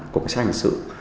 cùng xác hình sự